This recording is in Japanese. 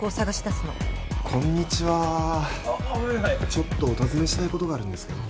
ちょっとお尋ねしたいことがあるんですけど。